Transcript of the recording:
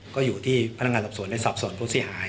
ก็อยู่ที่พนักงานหลับส่วนในสอบส่วนพวกสิ่งหาย